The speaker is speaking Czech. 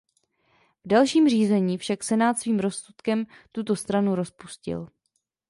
V dalším řízení však senát svým rozsudkem tuto stranu rozpustil.